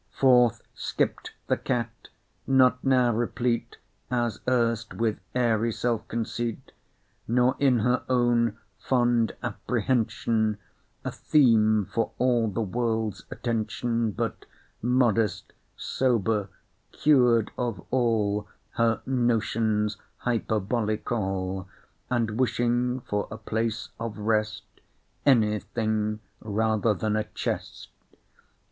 Forth skipp'd the cat, not now replete As erst with airy self conceit, Nor in her own fond apprehension A theme for all the world's attention, But modest, sober, cured of all Her notions hyperbolical, And wishing for a place of rest Any thing rather than a chest.